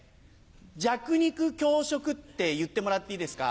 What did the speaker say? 「弱肉強食」って言ってもらっていいですか？